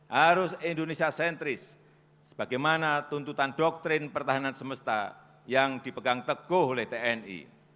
harus indonesia sentris sebagaimana tuntutan doktrin pertahanan semesta yang dipegang teguh oleh tni